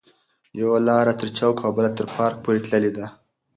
یوه لار تر چوک او بله تر پارک پورې تللې ده.